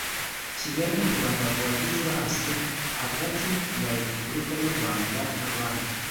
kigali mu rwanda kuwa gicurasi hagati ya repubulika y u rwanda na banki